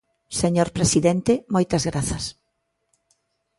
Señor presidente, moitas grazas.